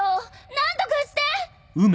何とかして！